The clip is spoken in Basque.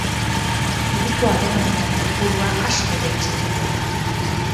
Hiriko alemaniarren kopurua asko jaitsi zen.